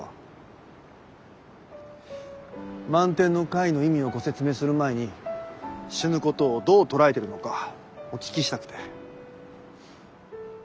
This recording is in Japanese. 「満天の会」の意味をご説明する前に死ぬことをどう捉えてるのかお聞きしたくて。